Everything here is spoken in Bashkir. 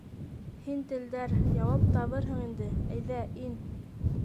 — Һин, телдәр, яуап табырһың инде, әйҙә, ин.